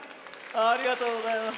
ありがとうございます。